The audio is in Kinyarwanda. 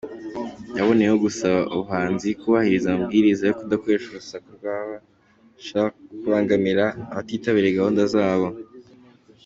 Yaboneyeho gusaba abahanzi kubahiriza amabwiriza yo kudakoresha urusaku rwabasha kubangamira abatitabiriye gahunda zabo.